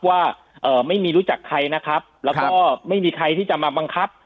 ว่าไม่มีรู้จักใครนะครับแล้วก็ไม่มีใครที่จะมาบังคับ